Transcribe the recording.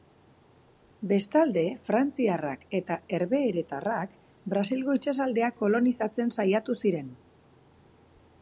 Bestalde, frantziarrak eta herbeheretarrak Brasilgo itsasaldea kolonizatzen saiatu ziren.